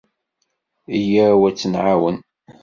Yyaw ad t-nεawen.